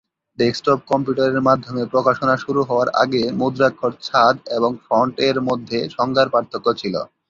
Desktop কম্পিউটারের মাধমে প্রকাশনা শুরু হওয়ার আগে মুদ্রাক্ষর-ছাঁদ এবং ফন্ট-এর মধ্যে সংজ্ঞার পার্থক্য ছিল।